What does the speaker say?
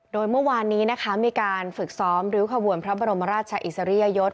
โดยเมื่อวานนี้นะคะมีการฝึกซ้อมริ้วขบวนพระบรมราชอิสริยยศ